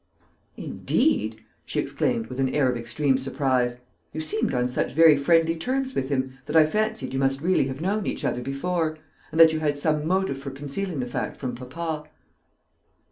"Indeed!" she exclaimed, with an air of extreme surprise. "You seemed on such very friendly terms with him, that I fancied you must really have known each other before, and that you had some motive for concealing the fact from papa."